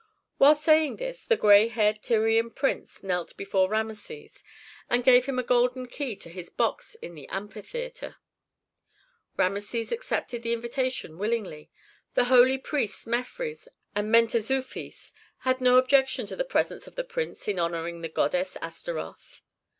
While saying this, the gray haired Tyrian prince knelt before Rameses and gave him a golden key to his box in the amphitheatre. Rameses accepted the invitation willingly; the holy priests Mefres and Mentezufis had no objection to the presence of the prince in honoring the goddess Astaroth.